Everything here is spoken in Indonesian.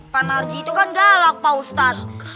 pak narji itu kan galak pak ustadz